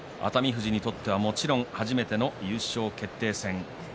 富士にとってはもちろん初めての優勝決定戦。